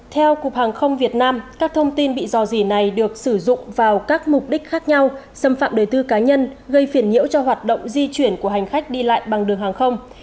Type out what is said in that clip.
theo cục hàng không việt nam các thông tin bị dò dỉ này được sử dụng vào các mục đích khác nhau xâm phạm đời tư cá nhân gây phiền nhiễu cho hoạt động di chuyển của hành khách đi lại bằng đường hàng không